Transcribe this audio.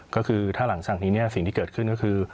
ก็คือถ้าหลังจากนี้เนี่ยสิ่งที่เกิดขึ้นก็คือ